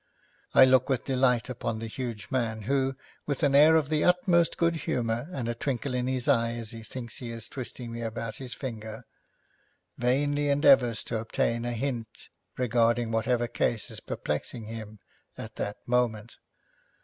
I look with delight upon the huge man, who, with an air of the utmost good humour, and a twinkle in his eye as he thinks he is twisting me about his finger, vainly endeavours to obtain a hint regarding whatever case is perplexing him at that moment.